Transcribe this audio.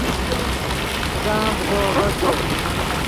خدان ڤے تو آڤزدو